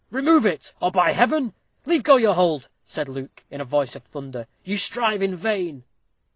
"Remove it, or by Heaven " "Leave go your hold," said Luke, in a voice of thunder; "you strive in vain."